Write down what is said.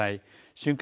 瞬間